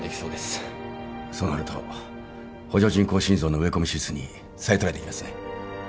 そうなると補助人工心臓の植え込み手術に再トライできますね。